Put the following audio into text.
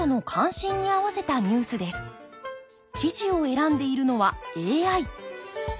記事を選んでいるのはＡＩ。